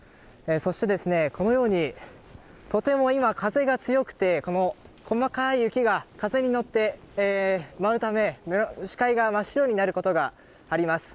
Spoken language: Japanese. そして、このように今、とても風が強くて細かい雪が風に乗って舞うため視界が真っ白になることがあります。